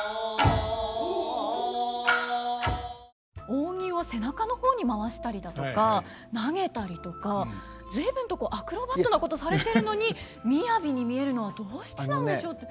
扇を背中の方に回したりだとか投げたりとか随分とアクロバットなことされてるのに雅に見えるのはどうしてなんでしょうって。